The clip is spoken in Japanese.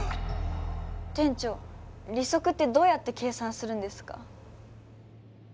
店長利息ってどうやって計算するんですか？